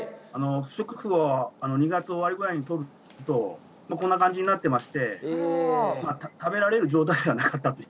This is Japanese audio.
不織布を２月終わりぐらいに取るとこんな感じになってまして食べられる状態ではなかったと。